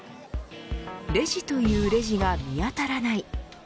レジというレジが見当たらない。